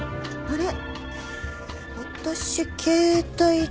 あれ？